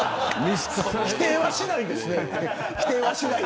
否定はしないんですね。